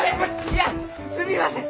いやすみません。